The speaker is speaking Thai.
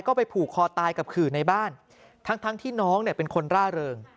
ก็ไปผูกคอตายกับขื่อในบ้านทั้งที่น้องเนี่ยเป็นคนร่าเริง